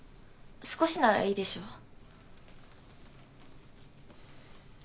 少しならいいでしょ？